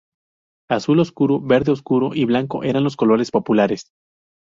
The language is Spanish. Azul oscuro, verde oscuro y blanco eran los colores populares.